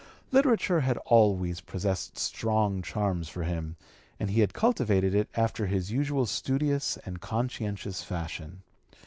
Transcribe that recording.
Literature had always possessed strong charms for him, and he had cultivated it after his usual studious and conscientious fashion.